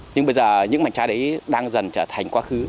nhưng bây giờ những mảnh chai đấy đang dần trở thành quá khứ